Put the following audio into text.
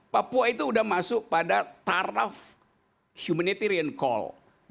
papua itu sudah masuk pada taraf humanitarian call